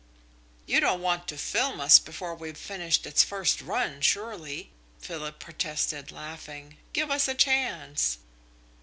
"You don't want to film us before we've finished its first run, surely?" Philip protested, laughing. "Give us a chance!"